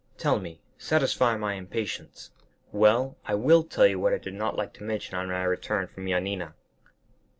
"Tell me; satisfy my impatience." "Well, I will tell you what I did not like to mention on my return from Yanina."